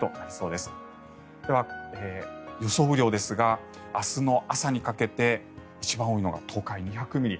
では予想雨量ですが明日の朝にかけて一番多いのが東海、２００ミリ。